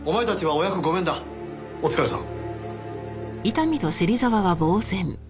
お疲れさん。